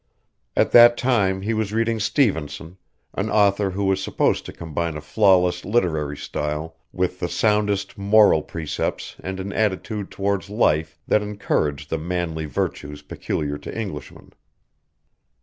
At that time he was reading Stevenson, an author who was supposed to combine a flawless literary style with the soundest moral precepts and an attitude towards life that encouraged the manly virtues peculiar to Englishmen.